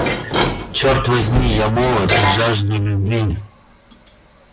Черт возьми, я молод и жажду любви!